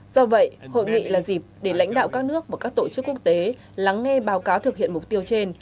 do vậy hội nghị là dịp để lãnh đạo các nước và các tổ chức quốc tế lắng nghe báo cáo thực hiện mục tiêu trên